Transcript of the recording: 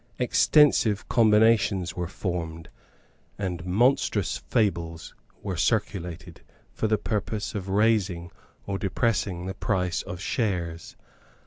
Extensive combinations were formed, and monstrous fables were circulated, for the purpose of raising or depressing the price of shares.